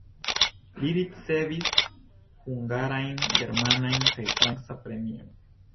Li ricevis hungarajn, germanan kaj francan premiojn.